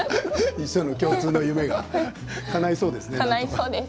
一緒の共通の夢がかないそうですね。